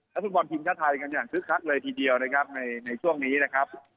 และสุดบอลทีมชาติไทยกันอย่างทึกครับเลยทีเดียวในช่วงนี้นะครับ